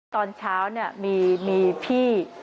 ตอนเช้าเนี่ยมีพี่